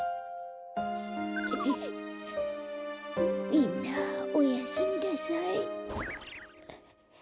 みんなおやすみなさい。